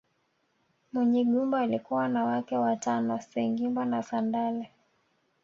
Munyigumba alikuwa na wake watano Sengimba na Sendale